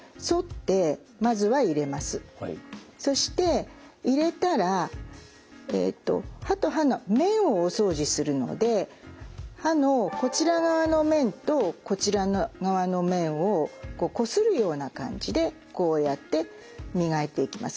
そして入れたら歯と歯の面をお掃除するので歯のこちら側の面とこちら側の面をこするような感じでこうやって磨いていきます。